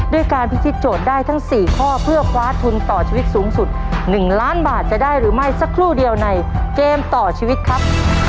ด้วยการพิธีโจทย์ได้ทั้ง๔ข้อเพื่อคว้าทุนต่อชีวิตสูงสุด๑ล้านบาทจะได้หรือไม่สักครู่เดียวในเกมต่อชีวิตครับ